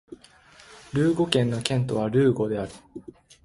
ルーゴ県の県都はルーゴである